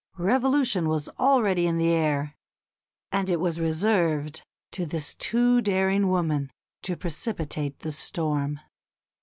Revolution was already in the air, and it was reserved to this too daring woman to precipitate the storm.